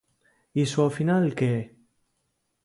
Iso ao final ¿que é?